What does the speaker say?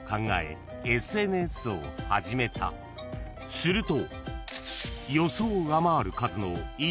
［すると］